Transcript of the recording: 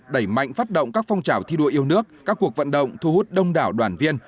đẩy mạnh phát động các phong trào thi đua yêu nước các cuộc vận động thu hút đông đảo đoàn viên